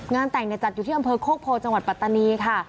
แต่งจัดอยู่ที่อำเภอโคกโพจังหวัดปัตตานีค่ะ